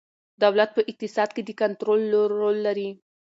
دولت په اقتصاد کې د کنترول رول لري.